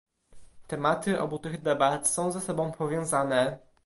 Tematy obu tych debat są ze sobą powiązane